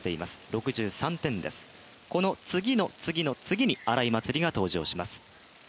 ６３点です、この次の次の次に荒井祭里が登場します。